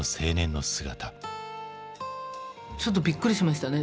ちょっとびっくりしましたね。